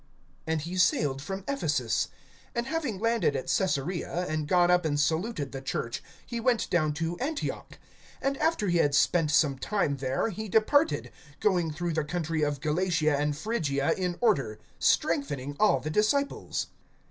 And he sailed from Ephesus. (22)And having landed at Caesarea, and gone up and saluted the church, he went down to Antioch. (23)And after he had spent some time there, he departed, going through the country of Galatia and Phrygia in order, strengthening all the disciples.